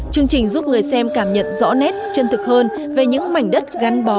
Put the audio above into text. chương trình giúp người xem cảm nhận rõ nét chân thực hơn về những mảnh đất gắn bó